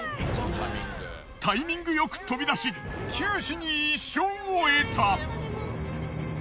タイミングよく飛び出し九死に一生を得た。